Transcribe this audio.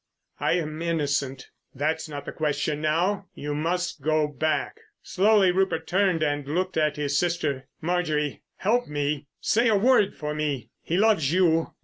"I am innocent." "That's not the question now. You must go back." Slowly Rupert turned and looked at his sister. "Marjorie. Help me! Say a word for me. He loves you....